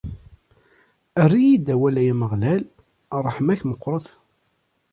Err-iyi-d awal, ay Ameɣlal, ṛṛeḥma-k meqqret!